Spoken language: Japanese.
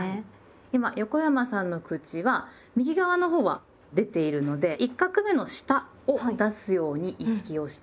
今横山さんの口は右側のほうは出ているので１画目の下を出すように意識をしてみて下さい。